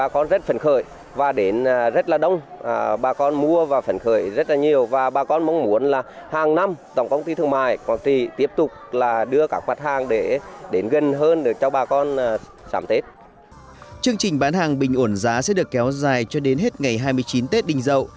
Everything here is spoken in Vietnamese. chương trình bán hàng bình ổn giá sẽ được kéo dài cho đến hết ngày hai mươi chín tết đình dậu